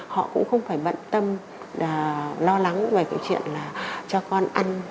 họ cũng không phải bận tâm lo lắng về cái chuyện là cho con ăn